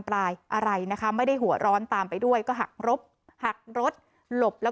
ปลายอะไรนะคะไม่ได้หัวร้อนตามไปด้วยก็หักรบหักรถหลบแล้ว